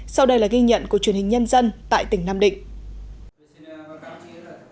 sau đây là ghi nhận của truyền hình nhân dân tại tỉnh nam định